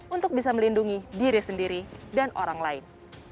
untuk bisa melindungi diri sendiri dan orang lain